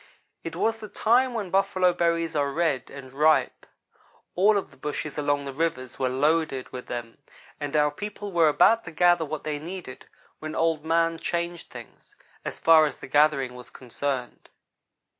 "It was the time when buffalo berries are red and ripe. All of the bushes along the rivers were loaded with them, and our people were about to gather what they needed, when Old man changed things, as far as the gathering was concerned.